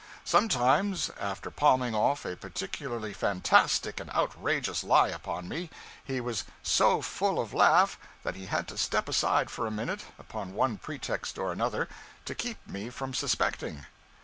Sometimes, after palming off a particularly fantastic and outrageous lie upon me, he was so 'full of laugh' that he had to step aside for a minute, upon one pretext or another, to keep me from suspecting.